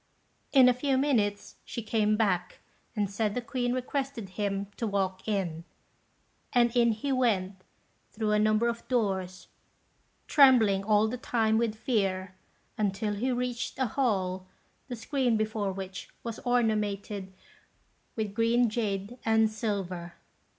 In a few minutes she came back, and said the Queen requested him to walk in; and in he went, through a number of doors, trembling all the time with fear, until he reached a hall, the screen before which was ornamented with green jade and silver.